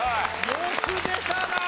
よく出たなあ！